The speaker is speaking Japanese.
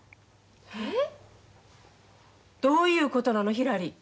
えっ！？どういうことなのひらり。